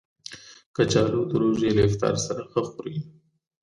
کچالو د روژې له افطار سره ښه خوري